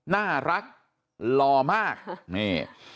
น่ารักหล่อมากนี่